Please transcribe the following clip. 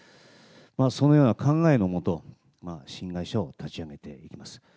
そのような考えのもと、新会社を立ち上げていきます。